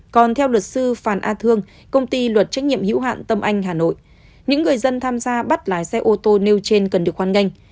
còn theo luật sư phan a thương công ty luật trách nhiệm hữu hạn tâm anh hà nội những người dân tham gia bắt lái xe ô tô nêu trên cần được hoan nghênh